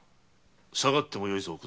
さがってよいぞ。